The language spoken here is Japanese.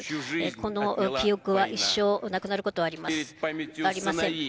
この記憶は一生なくなることはありません。